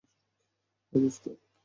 High, দোস্ত।